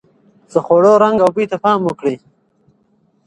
د خوړو رنګ او بوی ته پام وکړئ.